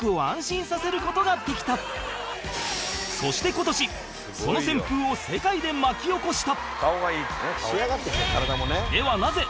そして今年その旋風を世界で巻き起こした